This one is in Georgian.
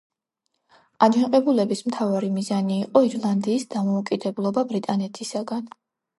აჯანყებულების მთავარი მიზანი იყო ირლანდიის დამოუკიდებლობა ბრიტანეთისაგან.